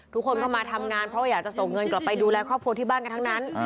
ทุกคนเข้ามาทำงานเพราะว่าอยากจะส่งเงินกลับไปดูแลครอบครัวที่บ้านกันทั้งนั้น